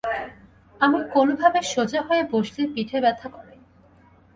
আমি কোনো ভাবে সোজা হয়ে বসলে পিঠে ব্যথা করে।